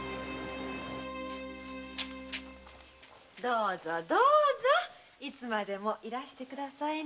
どうぞどうぞいつまでもいらしてくださいな。